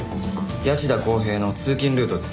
谷内田康平の通勤ルートです。